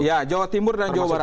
ya jawa timur dan jawa barat